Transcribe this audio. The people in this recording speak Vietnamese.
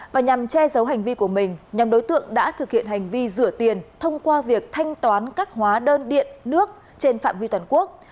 và nhằm che giấu hành vi của mình nhằm đối tượng đã thực hiện hành vi rửa tiền thông qua việc thanh toán các hóa đơn điện nước trên phạm vi toàn quốc